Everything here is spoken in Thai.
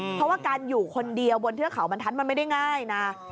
เพราะว่าการอยู่คนเดียวบนเทือกเขาบรรทัศน์มันไม่ได้ง่ายนะ